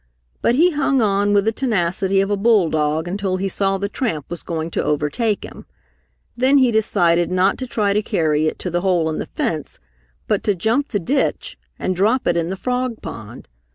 But he hung on with the tenacity of a bulldog until he saw the tramp was going to overtake him. Then he decided not to try to carry it to the hole in the fence, but to jump the ditch and drop it in the frog pond.